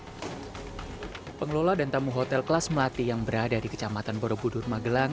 hai pengelola dan tamu hotel kelas melati yang berada di kecamatan borobudur magelang